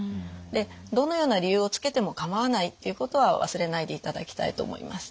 でどのような理由をつけても構わないっていうことは忘れないでいただきたいと思います。